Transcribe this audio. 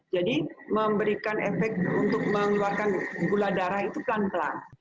jadi memberikan efek untuk mengeluarkan gula darah itu pelan pelan